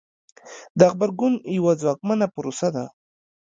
د غبرګون یوه ځواکمنه پروسه ده.